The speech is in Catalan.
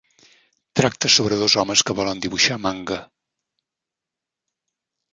Tracta sobre dos homes que volen dibuixar manga.